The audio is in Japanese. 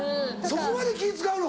そこまで気使うの？